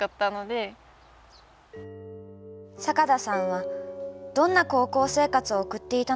坂田さんはどんな高校生活を送っていたのでしょう。